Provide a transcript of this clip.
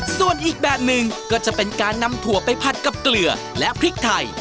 ส่วนอีกแบบหนึ่งก็จะเป็นการนำถั่วไปผัดกับเกลือและพริกไทย